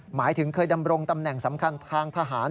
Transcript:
หมายถึงเคยดำรงตำแหน่งสำคัญทางทหาร